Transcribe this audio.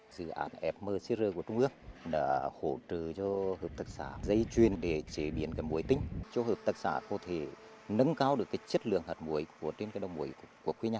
dự án fmcr của trung ương đã hỗ trợ cho hợp tạc xã dây chuyền để chế biến cái muối tinh cho hợp tạc xã có thể nâng cao được cái chất lượng hạt muối của trên cái đồng muối của quê nhà